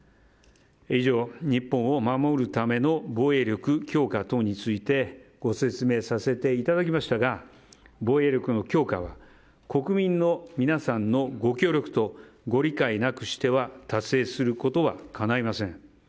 以上、日本を守るための防衛力強化等についてご説明させていただきましたが防衛力の強化は国民の皆さんのご協力とご理解なくしては達成することはかないません。